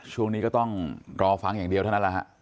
ช่วงนี้ก็ต้องรอฟังอย่างเดียวเท่านั้นแหละฮะ